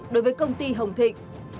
đối với công ty hồng thịnh